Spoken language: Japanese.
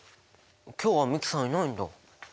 今日は美樹さんいないんだ。